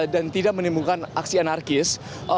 dan tidak menimbulkan aksi anarkis